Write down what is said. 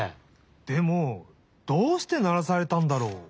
でもどうしてならされたんだろう？